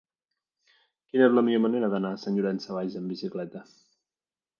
Quina és la millor manera d'anar a Sant Llorenç Savall amb bicicleta?